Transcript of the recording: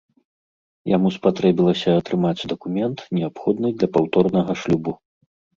Яму спатрэбілася атрымаць дакумент, неабходны для паўторнага шлюбу.